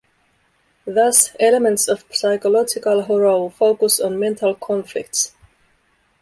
Thus, elements of psychological horror focus on mental conflicts.